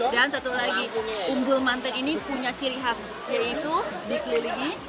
dan satu lagi umbul mantan ini punya ciri khas yaitu dikelilingi